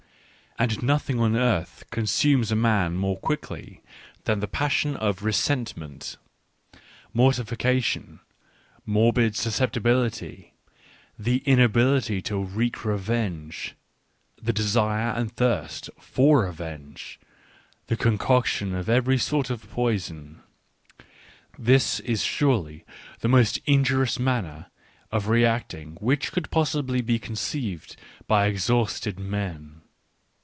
And nothing on earth consumes a man more quickly than the passion of resentment. {Mortification, nvprbid susceptibility, the inability to wreak revenge, the desire and thirst for re venge, the concoction of every sort of poison — this is surely the most injurious manner of reacting which could possibly be conceived by exhausted men.